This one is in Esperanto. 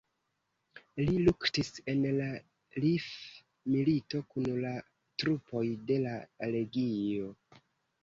Li luktis en la Rif-milito kun la trupoj de la Legio.